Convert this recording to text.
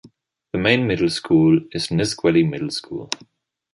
The main middle school is Nisqually Middle School.